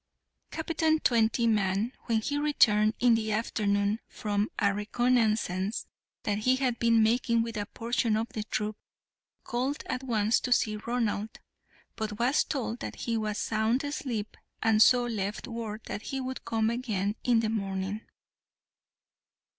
Captain Twentyman, when he returned in the afternoon from a reconnaissance that he had been making with a portion of the troop, called at once to see Ronald, but was told that he was sound asleep, and so left word that he would come again in the morning.